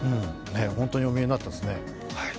本当にお見えになったんですね。